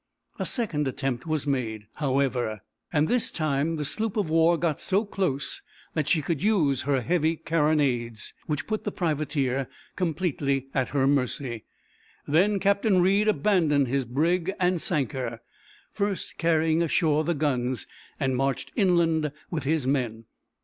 A second attempt was made, however, and this time the sloop of war got so close that she could use her heavy carronades, which put the privateer completely at her mercy. Then Captain Reid abandoned his brig and sank her, first carrying ashore the guns, and marched inland with his men.